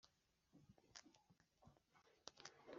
Nuko rero mugume mu rukundo rwanjye